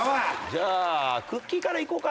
じゃあくっきー！からいこうか。